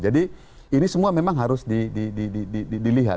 jadi ini semua memang harus dilihat